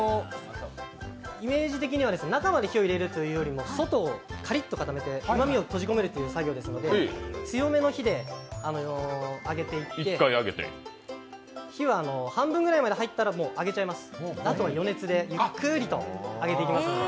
イメージ的には中に火を入れるというよりも、外をカリッと固めてうまみを閉じ込めるという作業なので強めの火で揚げていって火は半分ぐらいまで入ったらもう上げちゃいます、あとは余熱でゆっくりと揚げていきますので。